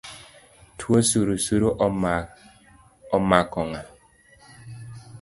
Tuo surusuru omako ng’a?